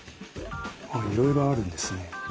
あっいろいろあるんですね。